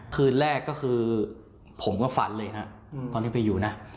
คืนแรกก็คือผมก็ฝันเลยฮะตอนที่ไปอยู่นะ